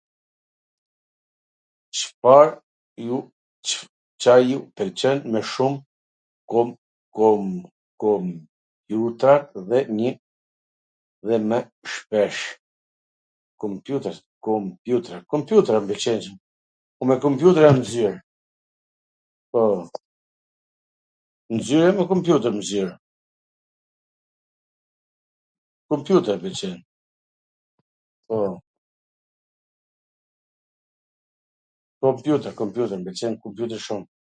Cfar ju..., Ca ju pwlqen mw shum, kom, kom, kompjutra dhe nji, dhe mw shpesh... Kompjutwr, kompjutwr, kompjutwr mw pwlqejn, un me kompjutera jam nw zyr, po, n zyr jam me kompjuter n zyr, kompjuter m pwlqen, po, kompjuter, kompjuter, m pwlqen kompjuteri shum.